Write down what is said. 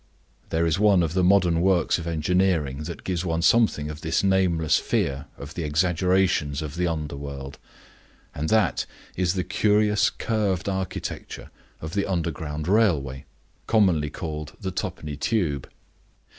There is one of the modern works of engineering that gives one something of this nameless fear of the exaggerations of an underworld; and that is the curious curved architecture of the under ground railway, commonly called the Twopenny Tube.